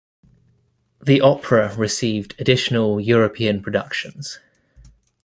The opera received additional European productions.